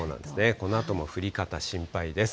このあとも降り方、心配です。